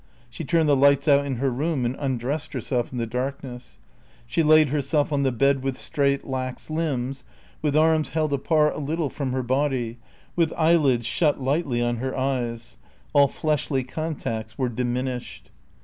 She turned the lights out in her room and undressed herself in the darkness. She laid herself on the bed with straight lax limbs, with arms held apart a little from her body, with eyelids shut lightly on her eyes; all fleshly contacts were diminished.